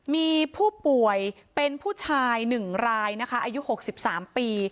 มีผู้ป่วยเป็นผู้ชายหนึ่งรายนะคะอายุหกสิบสามปี